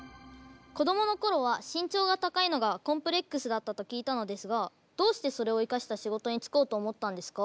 子どもの頃は身長が高いのがコンプレックスだったと聞いたのですがどうしてそれを生かした仕事に就こうと思ったんですか？